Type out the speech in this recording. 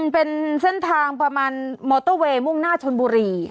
เป็นเส้นทางประมาณมอเตอร์เวย์มุ่งหน้าชนบุรี